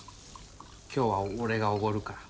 今日は俺がおごるから。